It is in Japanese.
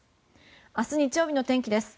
明日日曜日の天気です。